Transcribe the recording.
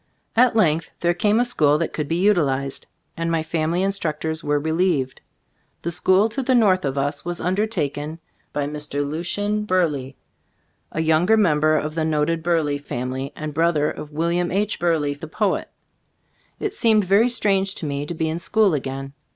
At length there came a school that could be utilized, and my family in structors were relieved. The school to the north of us was undertaken by Mr. Lucian Burleigh, a younger mem ber of the noted Burleigh family, and brother of William H. Burleigh, the poet. It seemed very strange to me to be in school again.